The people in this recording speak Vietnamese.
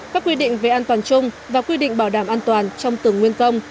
các quy định về an toàn chung và quy định bảo đảm an toàn trong từng nguyên công